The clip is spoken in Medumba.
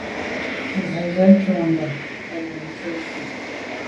Nzenze tshob ndù à bèn jù fen.